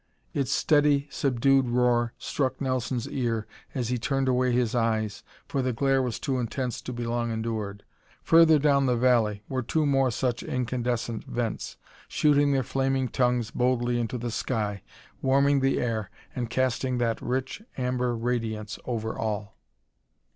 Its steady, subdued roar struck Nelson's ear as he turned away his eyes, for the glare was too intense to be long endured. Further down the valley were two more such incandescent vents, shooting their flaming tongues boldly into the sky, warming the air and casting that rich, amber radiance over all.